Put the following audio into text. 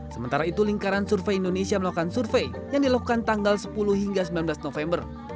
sementara itu lingkaran survei indonesia melakukan survei yang dilakukan tanggal sepuluh hingga sembilan belas november